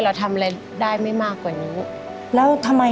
เราทำอะไรได้ไม่มากกว่านี้